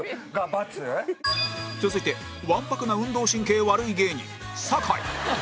続いてわんぱくな運動神経悪い芸人酒井